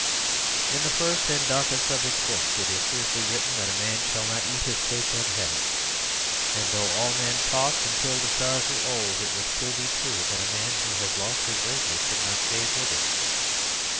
"In the first and darkest of its books it is fiercely written that a man shall not eat his cake and have it; and though all men talked until the stars were old it would still be true that a man who has lost his razor could not shave with it.